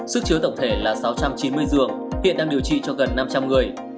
sức chứa tổng thể là sáu trăm chín mươi giường hiện đang điều trị cho gần năm trăm linh người